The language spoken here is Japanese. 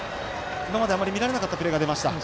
今まであまり見られなかったプレーが見られました。